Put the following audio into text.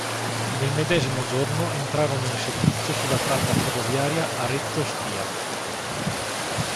Nel medesimo giorno entrarono in servizio sulla tratta ferroviaria Arezzo-Stia.